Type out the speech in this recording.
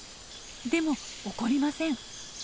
でも怒りません。